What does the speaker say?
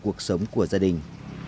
cuộc sống của gia đình